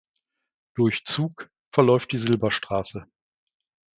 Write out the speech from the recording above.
Durch Zug verläuft die Silberstraße.